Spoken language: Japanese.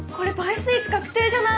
スイーツ確定じゃない？